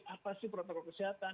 apa sih protokol kesehatan